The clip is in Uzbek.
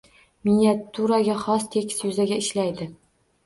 Miniatyuraga xos tekis yuzaga ishlaydi.